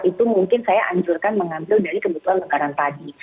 itu mungkin saya anjurkan mengambil dari kebutuhan lebaran tadi